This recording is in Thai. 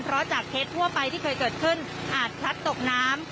เพราะจากเคสทั่วไปที่เคยเกิดขึ้นอาจพลัดตกน้ำ